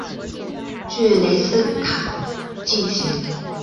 据雷提卡斯进行的。